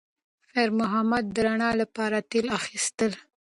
خیر محمد د رڼا لپاره تېل اخیستل.